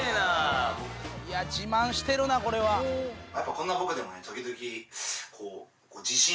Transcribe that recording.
こんな僕でもね時々。